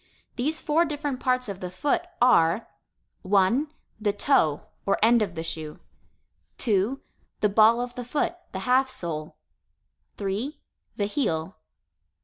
These four different parts of the foot are: 1, the toe, or end of the shoe. 2, the ball of the foot (the half sole). 3, the heel. 4, the flat of the foot.